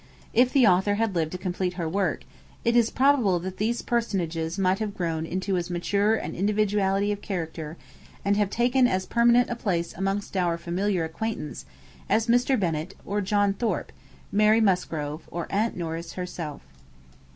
If the author had lived to complete her work, it is probable that these personages might have grown into as mature an individuality of character, and have taken as permanent a place amongst our familiar acquaintance, as Mr. Bennet, or John Thorp, Mary Musgrove, or Aunt Norris herself.